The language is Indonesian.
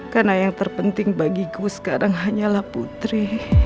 karena yang terpenting bagiku sekarang hanyalah putri